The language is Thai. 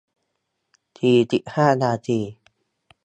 สี่สิบห้า นาที